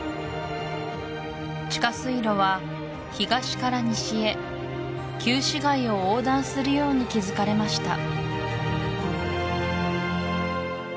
地下水路は東から西へ旧市街を横断するように築かれました